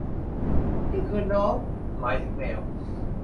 นี่คือ 'น้อง' หมายถึงแมว